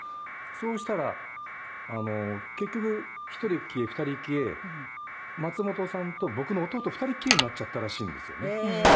そうしたら結局１人消え２人消え松本さんと僕の弟２人きりになっちゃったらしいんですよね。